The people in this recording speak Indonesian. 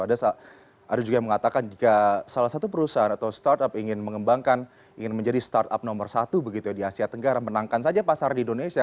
ada juga yang mengatakan jika salah satu perusahaan atau startup ingin mengembangkan ingin menjadi startup nomor satu begitu di asia tenggara menangkan saja pasar di indonesia